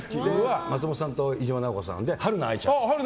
松本さんと飯島直子さんとはるな愛ちゃん